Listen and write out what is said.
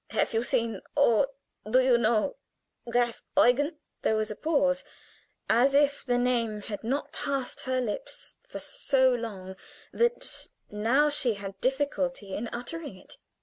Have you seen or do you know Graf Eugen?" There was a pause, as if the name had not passed her lips for so long that now she had difficulty in uttering it.